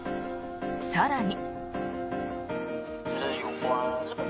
更に。